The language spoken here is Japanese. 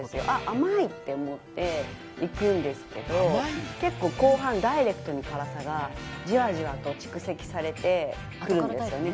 甘い！って思っていくんですけど結構、後半ダイレクトに辛さがじわじわと蓄積されてくるんですよね。